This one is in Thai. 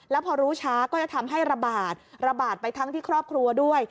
แล้วพอรู้ช้าก็จะทำให้ระบาดระบาดไปทั้งที่ครอบครัวด้วย